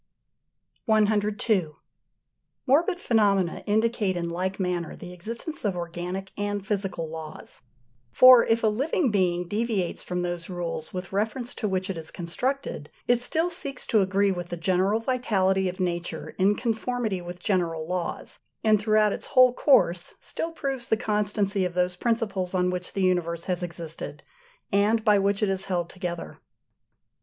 102. Morbid phenomena indicate in like manner the existence of organic and physical laws: for if a living being deviates from those rules with reference to which it is constructed, it still seeks to agree with the general vitality of nature in conformity with general laws, and throughout its whole course still proves the constancy of those principles on which the universe has existed, and by which it is held together.